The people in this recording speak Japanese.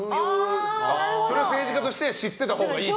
それは政治家として知っておいたほうがいいと。